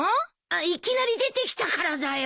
いきなり出てきたからだよ。